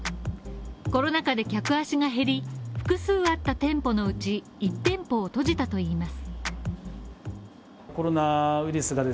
コロナ禍で客足が減り、複数あった店舗のうち１店舗を閉じたといいます。